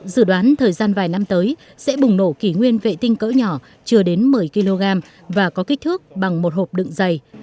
dự đoán thời gian vài năm tới sẽ bùng nổ kỷ nguyên vệ tinh cỡ nhỏ chừa đến một mươi kg và có kích thước bằng một hộp đựng dày